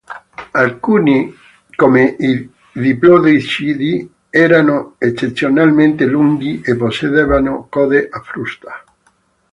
Alcuni, come i diplodocidi, erano eccezionalmente lunghi e possedevano code a frusta.